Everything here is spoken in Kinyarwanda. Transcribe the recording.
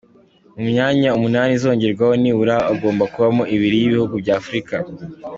Mu myanya umunani izongerwaho, nibura hagomba kubamo ibiri y’ibihugu bya Afurika.